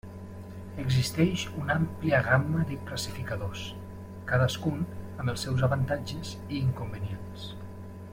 Existeix una àmplia gamma de classificadors, cadascun amb els seus avantatges i inconvenients.